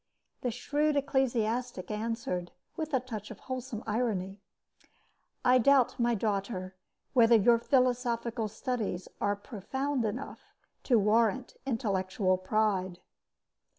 The shrewd ecclesiastic answered, with a touch of wholesome irony: I doubt, my daughter, whether your philosophical studies are profound enough to warrant intellectual pride.